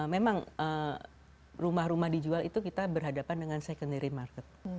memang rumah rumah dijual itu kita berhadapan dengan secondary market